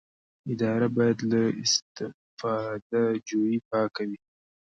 اداره باید له استفاده جویۍ پاکه وي.